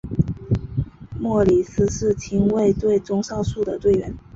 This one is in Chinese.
莫里斯是亲卫队中少数的成员。